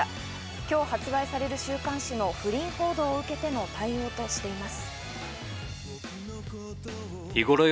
今日発売される週刊誌の不倫報道を受けての対応としています。